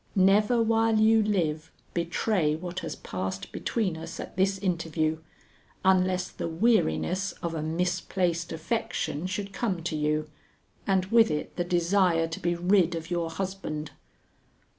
never while you live betray what has passed between us at this interview, unless the weariness of a misplaced affection should come to you, and with it the desire to be rid of your husband."